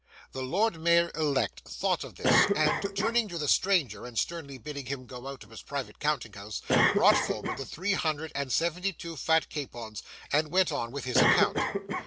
The Lord Mayor elect thought of this, and turning to the stranger, and sternly bidding him 'go out of his private counting house,' brought forward the three hundred and seventy two fat capons, and went on with his account.